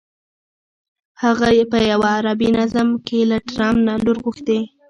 هغه په یوه عربي نظم کې له ټرمپ نه لور غوښتې.